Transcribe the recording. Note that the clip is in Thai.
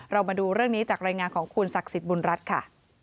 เรามาดูเรื่องนี้จากรายงานของคุณศักดิ์สิทธิบุญรัฐค่ะ